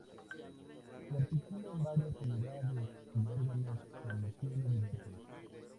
Se articula en varias unidades y órganos con misiones diversas.